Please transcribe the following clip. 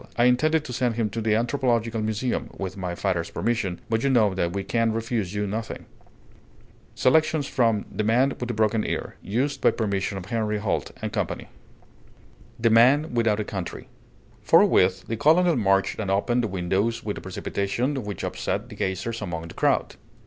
I intended to send him to the anthropological museum, with my father's permission; but you know that we can refuse you nothing." Selections from 'The Man with the Broken Ear' used by permission of Henry Holt and Company. THE MAN WITHOUT A COUNTRY From 'The Man with the Broken Ear': by permission of Henry Holt, the Translator. Forthwith the colonel marched and opened the windows with a precipitation which upset the gazers among the crowd.